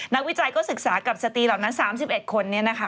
วิจัยก็ศึกษากับสตรีเหล่านั้น๓๑คนนี้นะคะ